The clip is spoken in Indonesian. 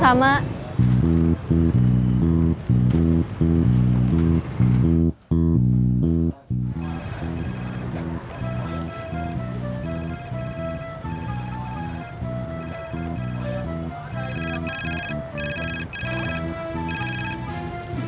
sampai jumpa lagi